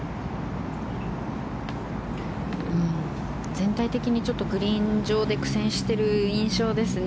全体的にグリーン上で苦戦している印象ですね